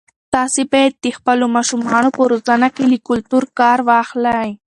تاسي باید د خپلو ماشومانو په روزنه کې له کلتور کار واخلئ.